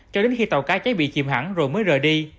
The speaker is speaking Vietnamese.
cho đến khi tàu cá cháy bị chìm hẳn rồi mới rời đi